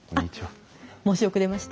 あっ申し遅れました。